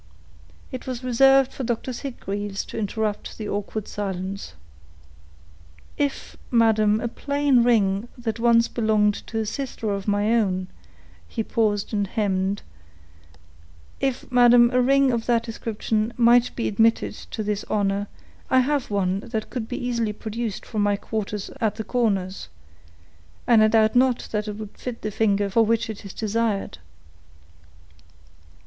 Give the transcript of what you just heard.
It was reserved for Doctor Sitgreaves to interrupt the awkward silence. "If, madam, a plain ring, that once belonged to a sister of my own—" He paused and hemmed—"If, madam, a ring of that description might be admitted to this honor, I have one that could be easily produced from my quarters at the Corners, and I doubt not it would fit the finger for which it is desired.